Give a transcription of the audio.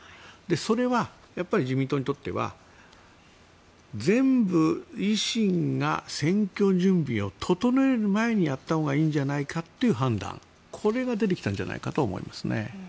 それは自民党にとっては全部維新が選挙準備を整える前にやったほうがいいんじゃないかという判断これが出てきたんじゃないかと思いますね。